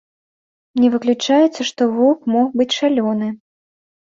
Не выключаецца, што воўк мог быць шалёны.